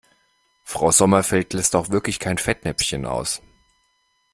Frau Sommerfeld lässt auch wirklich kein Fettnäpfchen aus.